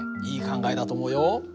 いい考えだと思うよ。